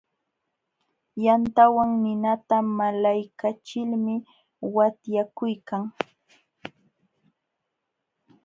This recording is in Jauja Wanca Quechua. Yantawan ninata walaykachilmi watyakuykan.